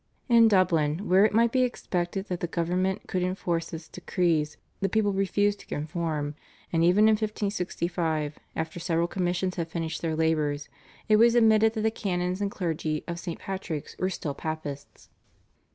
" In Dublin, where it might be expected that the government could enforce its decrees, the people refused to conform, and even in 1565, after several commissions had finished their labours, it was admitted that the canons and clergy of St. Patrick's were still Papists.